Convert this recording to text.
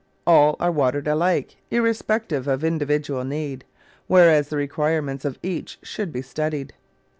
All are watered alike, irrespective of individual need, whereas the requirements of each should be studied.